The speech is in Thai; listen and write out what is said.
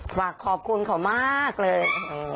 หวังขอบคุณเขามากเลย